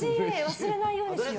忘れないようにしよう。